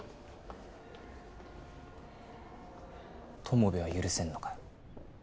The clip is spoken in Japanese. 友部は許せるのかよ？